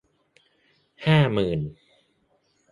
ห้าหมื่น